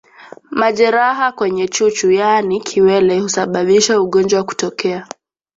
Majeraha kwenye chuchu yaani kiwele husababisha ugonjwa kutokea